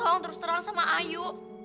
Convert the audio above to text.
tolong terus terang sama ayu